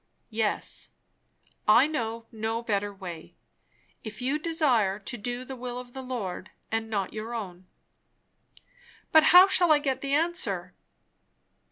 "Yes. I know no better way. If you desire to do the will of the Lord, and not your own." "But how shall I get the answer?"